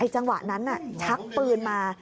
จังหวะนั้นชักปืนมา